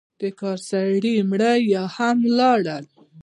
د کار سړی مړه او یا هم ولاړل.